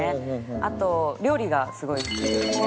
あと料理がすごい好きですね。